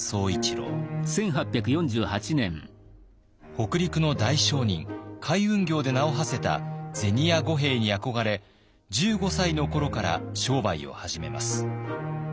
北陸の大商人海運業で名をはせた銭屋五兵衛に憧れ１５歳の頃から商売を始めます。